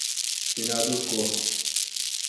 Senador Cortes